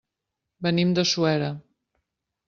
Venim de Suera.